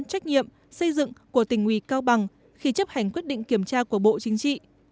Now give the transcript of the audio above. trách nhiệm xây dựng của tỉnh ủy cao bằng khi chấp hành quyết định kiểm tra của bộ chính trị